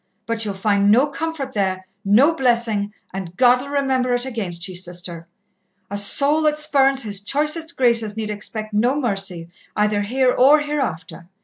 But ye'll find no comfort there, no blessing, and God'll remember it against ye, Sister. A soul that spurns His choicest graces need expect no mercy, either here or hereafter.